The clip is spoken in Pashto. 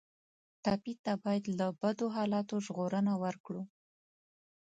ټپي ته باید له بدو حالاتو ژغورنه ورکړو.